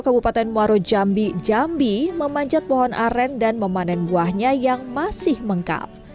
kabupaten muaro jambi jambi memanjat pohon aren dan memanen buahnya yang masih mengkal